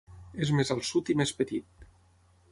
És més al sud i més petit.